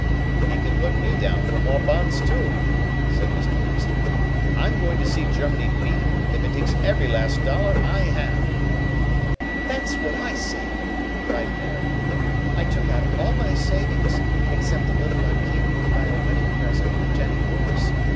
"He can put me down for more bonds too!" said Mr. Nestor. "I'm going to see Germany beaten if it takes every last dollar I have!" "That's what I say!" Cried Mary. "I took out all my savings, except a little I'm keeping to buy a wedding present for Jennie Morse.